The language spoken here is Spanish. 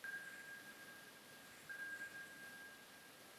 Este puede ser un factor que contribuye a un descenso de la pesca.